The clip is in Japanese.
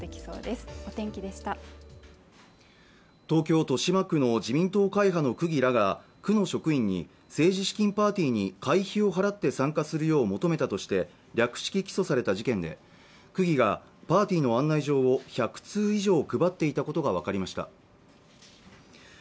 東京・豊島区の自民党会派の区議らが区の職員に政治資金パーティーに会費を払って参加するよう求めたとして略式起訴された事件で区議がパーティーの案内状を１００通以上配っていたことが分かりました